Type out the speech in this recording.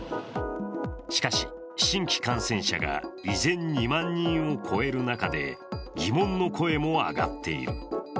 しかし、新規感染者数が依然２万人を超える中で疑問の声も上がっている。